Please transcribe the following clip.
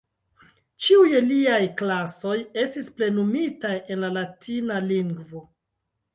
Ĉiuj liaj klasoj estis plenumitaj en la latina lingvo.